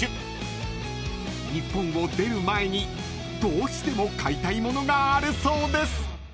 ［日本を出る前にどうしても買いたい物があるそうです］